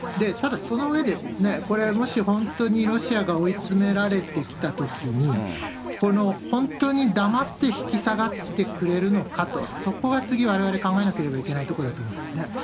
ただ、その上で、これ、もし本当にロシアが追いつめられてきたときに、この本当に黙って引き下がってくれるのかと、そこが次、われわれ考えなければいけないところだと思いますね。